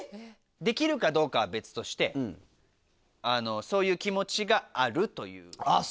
できるかどうかは別としてそういう気持ちがあるということ。